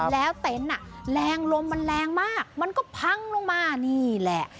แล้วเต็นต์แรงลมมันแรงมากมันก็พังลงมานี่แหละ